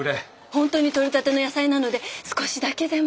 本当に取れたての野菜なので少しだけでも。